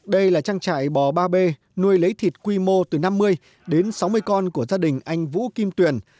đây là trang trại bò ba b nuôi lấy thịt quy mô từ năm mươi đến sáu mươi con của gia đình anh vũ kim tuyền